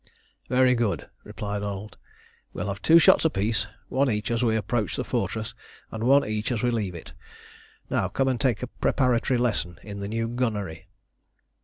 "Very good," replied Arnold. "We'll have two shots apiece, one each as we approach the fortress, and one each as we leave it. Now come and take a preparatory lesson in the new gunnery."